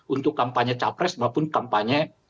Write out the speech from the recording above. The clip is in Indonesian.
untuk kampanye capres maupun kampanye